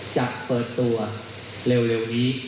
จะเปิดตัวเร็วนี้